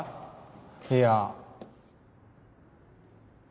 いや。